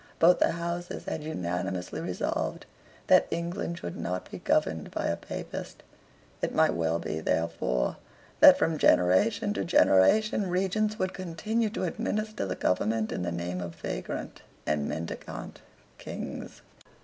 Both the Houses had unanimously resolved that England should not be governed by a Papist. It might well be, therefore, that, from generation to generation, Regents would continue to administer the government in the name of vagrant and mendicant Kings.